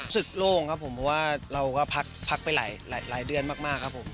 โล่งครับผมเพราะว่าเราก็พักไปหลายเดือนมากครับผม